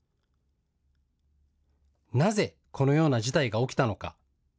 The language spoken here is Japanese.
なぜ、このような事態が起きたのか。